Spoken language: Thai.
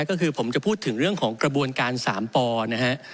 ก็คือผมจะพูดถึงเรื่องของกระบวนการ๓ปนะฮะ